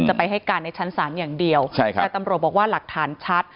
ไปให้การในชั้นศาลอย่างเดียวใช่ครับแต่ตำรวจบอกว่าหลักฐานชัด